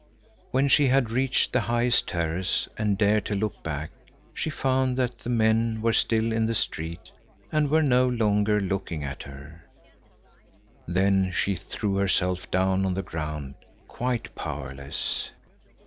When she had reached the highest terrace, and dared to look back, she found that the men were still in the street, and were no longer looking at her. Then she threw herself down on the ground, quite powerless.